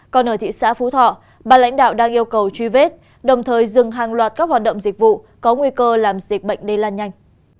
còn ở thị xã phú thọ bà lãnh đạo đang yêu cầu truy vết đồng thời dừng hàng loạt các hoạt động dịch vụ có nguy cơ làm dịch bệnh lây lan nhanh